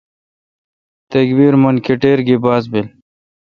تکبیر من کٹیر گی باز بیل۔